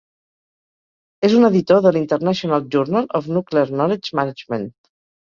És un editor de l'"International Journal of Nuclear Knowledge Management".